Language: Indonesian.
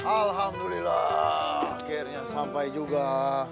alhamdulillah akhirnya sampai juga